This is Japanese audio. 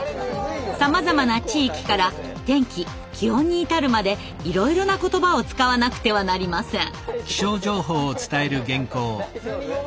さまざまな地域から天気・気温に至るまでいろいろな言葉を使わなくてはなりません。